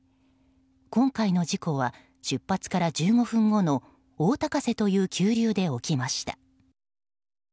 今回の事故は出発から１５分後の大高瀬という急流で起きました。